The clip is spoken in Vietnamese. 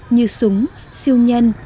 như súng siêu nhân